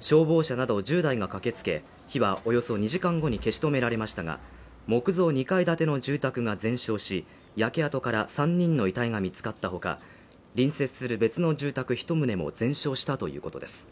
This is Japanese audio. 消防車など１０台が駆けつけ、火はおよそ２時間後に消し止められましたが、木造２階建ての住宅が全焼し、焼け跡から３人の遺体が見つかった他、隣接する別の住宅１棟も全焼したということです。